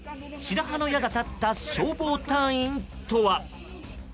白羽の矢が立った消防隊員とは。